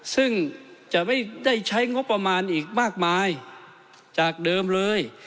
ซึ่งจะไม่ได้ใช้งบประมาณอีกมากมายจากเดิมเลย